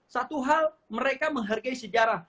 satu hal mereka menghargai sejarah